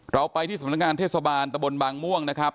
เราไปที่สำนักงานเทศบาลตะบนบางม่วงนะครับ